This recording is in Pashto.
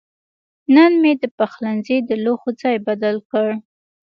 نن مې د پخلنځي د لوښو ځای بدل کړ.